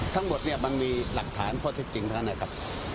ทั้งหมดเนี่ยมันมีหลักฐานข้อเท็จจริงเท่านั้นนะครับ